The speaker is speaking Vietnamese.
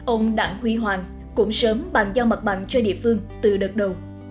ông đặng huy hoàng cũng sớm bàn giao mặt bằng cho địa phương từ đợt đầu